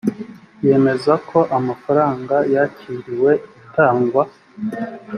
yemeza ko amafaranga yakiriwe itangwa